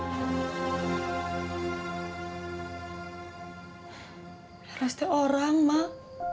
harusnya orang mak